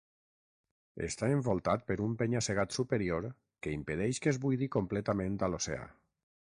Està envoltat per un penya-segat superior que impedeix que es buidi completament a l'oceà.